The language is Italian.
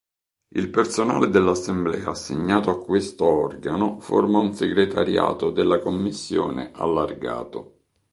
Il personale dell'Assemblea assegnato a questo organo forma un Segretariato della Commissione allargato.